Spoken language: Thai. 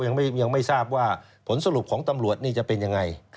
ยังไม่ทราบว่าผลสรุปของตำรวจนี่จะเป็นยังไง